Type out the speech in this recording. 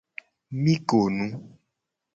Mi ko nu.